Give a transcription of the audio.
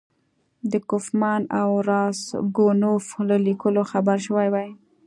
د کوفمان او راسګونوف له لیکونو خبر شوی وای.